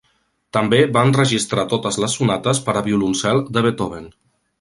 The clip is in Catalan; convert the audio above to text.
També va enregistrar totes les sonates per a violoncel de Beethoven.